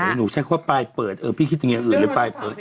หนูใช้คำว่าปลายเปิดเออพี่คิดถึงอย่างอื่นเลยไปเปิด